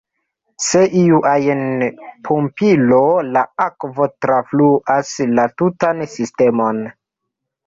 Sen iu ajn pumpilo la akvo trafluas la tutan sistemon.